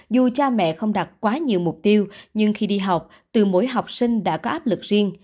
dù cha mẹ không đặt quá nhiều mục tiêu nhưng khi đi học từ mỗi học sinh đã có áp lực riêng